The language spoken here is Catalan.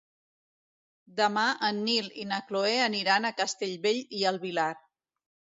Demà en Nil i na Cloè aniran a Castellbell i el Vilar.